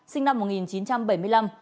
sinh năm một nghìn chín trăm bảy mươi năm